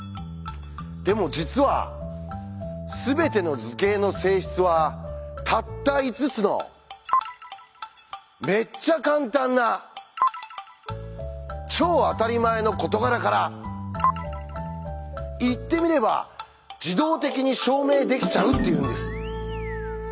でも実は全ての図形の性質はたった５つのめっちゃカンタンな超あたりまえの事柄から言ってみれば自動的に証明できちゃうっていうんです。